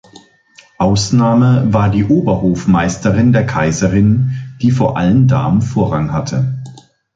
Ausnahme war die Oberhofmeisterin der Kaiserin, die vor allen Damen Vorrang hatte.